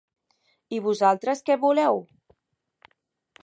I vosaltres què voleu?